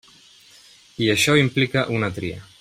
I això implica una tria.